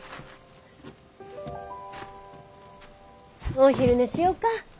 お昼寝しよか。